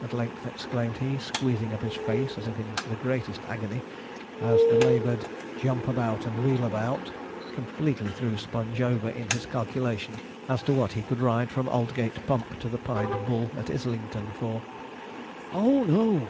at length exclaimed he, squeezing up his face as if in the greatest agony, as the laboured: 'Jump about and wheel about' completely threw Sponge over in his calculation as to what he could ride from Aldgate Pump to the Pied Bull at Islington for. 'Oh no!'